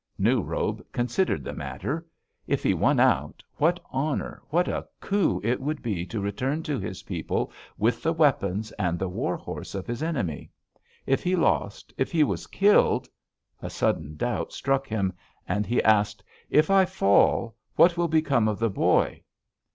"New Robe considered the matter. If he won out, what honor, what a coup it would be to return to his people with the weapons and the war horse of his enemy. If he lost, if he was killed a sudden doubt struck him, and he asked: 'If I fall, what will become of the boy?'